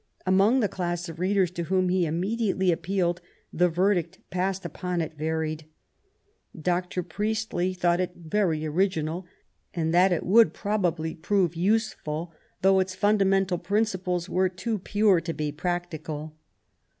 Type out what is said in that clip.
Among the class of readers to whom he imme diately appealed, the verdict passed upon it varied. Dr. Priestley thought it very original, and that it would probably prove useful, though its fundamental princi ples were too pure to be practical.